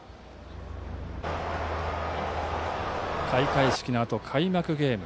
開会式のあとの開幕ゲーム。